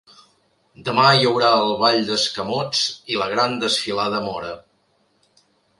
Demà hi haurà el ball d’escamots i la gran desfilada mora.